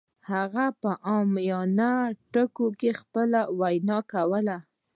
هغه په عامیانه ټکو کې خپله وینا کوله